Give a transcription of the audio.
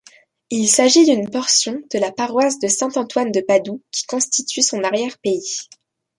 Il s’agit d’une portion de la paroisse de Saint-Antoine-de-Padoue qui constitue son arrière-pays.